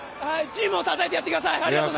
チームをたたえてやってください。